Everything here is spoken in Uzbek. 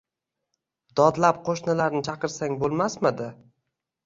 Dodlab qo‘shnilarni chaqirsang bo‘lmasmidi?!